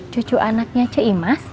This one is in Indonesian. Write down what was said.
cucu anaknya ceimas